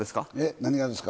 何がですか？